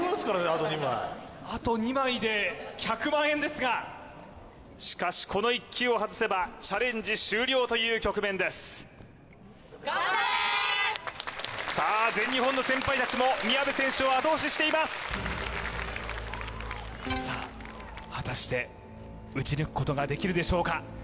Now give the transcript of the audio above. あと２枚あと２枚で１００万円ですがしかしこの１球を外せばチャレンジ終了という局面ですさあ全日本の先輩たちも宮部選手を後押ししていますさあ果たして打ち抜くことができるでしょうか